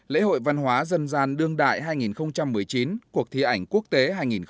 lễ hội văn hóa dân gian đương đại hai nghìn một mươi chín cuộc thi ảnh quốc tế hai nghìn một mươi chín